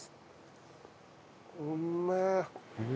うめえ。